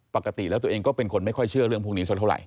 ปกติแล้วตัวเองก็เป็นคนไม่ค่อยเชื่อเรื่องพวกนี้สักเท่าไห